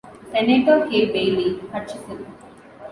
Senator Kay Bailey Hutchison.